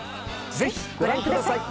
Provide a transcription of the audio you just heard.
ぜひご覧ください。